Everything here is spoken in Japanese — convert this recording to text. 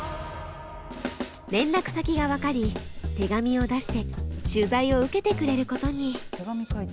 連絡先が分かり手紙を出して取材を受けてくれることに。